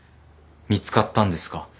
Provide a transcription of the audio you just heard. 見つかったんですか？